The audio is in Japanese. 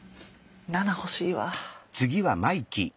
７欲しいわ。